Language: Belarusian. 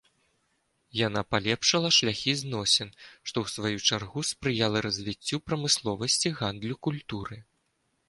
Яна палепшыла шляхі зносін, што, у сваю чаргу, спрыяла развіццю прамысловасці, гандлю, культуры.